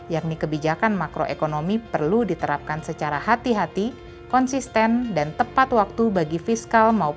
yakni kebijakan makroekonomi perlu diterapkan secara hati hati konsisten dan tepat waktu bagi fiskal maupun